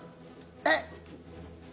えっ！